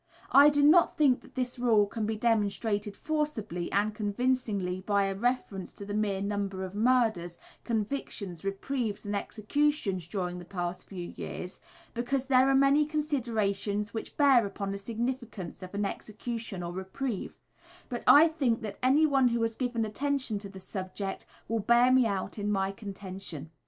I do not think that this rule can be demonstrated forcibly and convincingly by a reference to the mere numbers of murders, convictions, reprieves, and executions during the past few years, because there are many considerations which bear upon the significance of an execution or reprieve; but I think that anyone who has given attention to the subject will bear me out in my contention.